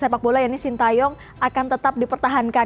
sepakbola yang ini sintayong akan tetap dipertahankan